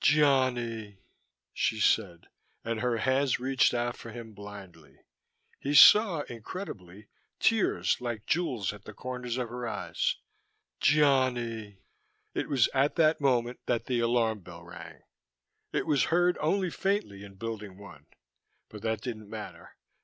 "Johnny," she said, and her hands reached out for him blindly. He saw, incredibly, tears like jewels at the corners of her eyes. "Johnny " It was at that moment that the alarm bell rang. It was heard only faintly in Building One, but that didn't matter.